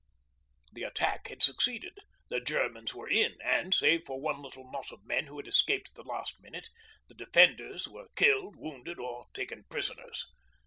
The attack had succeeded, the Germans were in and, save for one little knot of men who had escaped at the last minute, the defenders were killed, wounded, or taken prisoners.